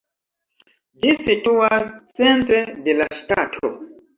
Ĝi situas centre de la ŝtato.